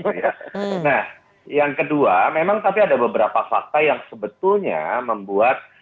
nah yang kedua memang tapi ada beberapa fakta yang sebetulnya membuat